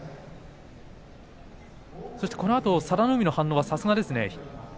そのあとの佐田の海の反応はさすがですね。